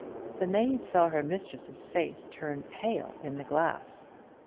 The maid saw her mistress's face turn pale in the glass.